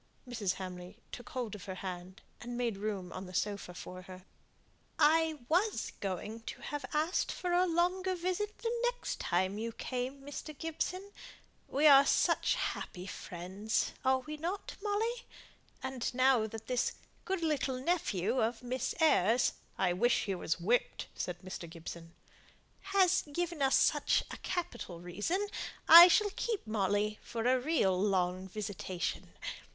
Mrs. Hamley took hold of her hand, and made room on the sofa for her. "I was going to have asked for a longer visit the next time you came, Mr. Gibson. We are such happy friends, are not we, Molly? and now, that this good little nephew of Miss Eyre's " "I wish he was whipped," said Mr. Gibson. " has given us such a capital reason, I shall keep Molly for a real long visitation.